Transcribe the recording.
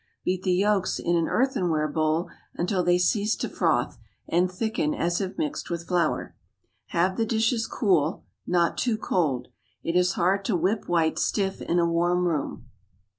Beat the yolks in an earthenware bowl until they cease to froth, and thicken as if mixed with flour. Have the dishes cool—not too cold. It is hard to whip whites stiff in a warm room.